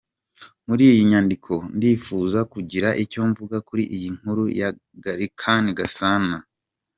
Muri iyi nyandiko ndifuza kugira icyo mvuga kuri iyi Nkuru ya Gallican Gasana.